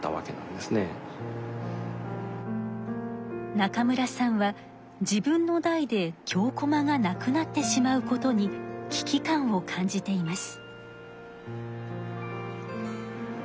中村さんは自分の代で京こまがなくなってしまうことに危機感を感じています。